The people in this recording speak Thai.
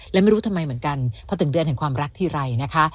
และไม่รู้ทำไมเหมือนกันพอถึงเดือนแห่งความรักทีไรนะคะ